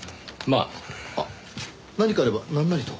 あっ何かあればなんなりと。